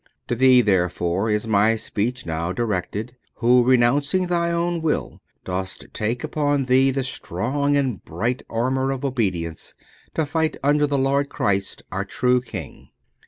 To thee therefore is my speech now directed, who, renouncing thy own will, dost take upon thee the strong and bright armour of obedience, to fight under the Lord Christ our true King.